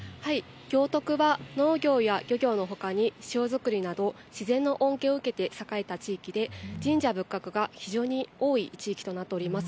行徳は農業や漁業のほかに塩作りなど自然の恩恵を受けて栄えた地域で神社仏閣が非常に多い地域となっております。